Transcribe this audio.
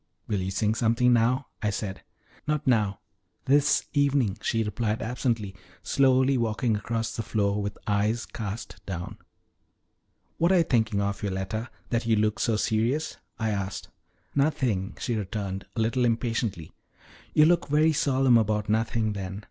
"Will you sing something now?" I said. "Not now this evening," she replied absently, slowly walking across the floor with eyes cast down. "What are you thinking of, Yoletta, that you look so serious?" I asked. "Nothing," she returned, a little impatiently. "You look very solemn about nothing, then.